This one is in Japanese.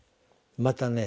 またね